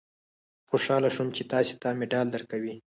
خوشاله شوم چې تاسې ته مډال درکوي.